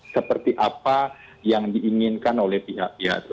seperti apa yang diinginkan oleh pihak pihak